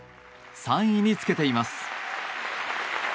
３位につけています。